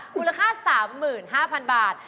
มูลค่า๓๕๐๐๐บาท